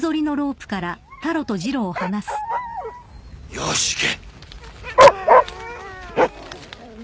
よーし行け！